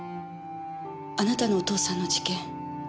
あなたのお父さんの事件